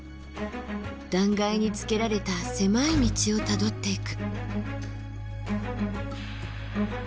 断崖につけられた狭い道をたどっていく。